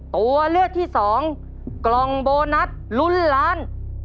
ตัวเลือกที่สองกล่องโบนัสลุ้นล้าน